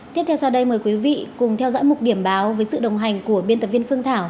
tiếp theo sau đây mời quý vị cùng theo dõi một điểm báo với sự đồng hành của biên tập viên phương thảo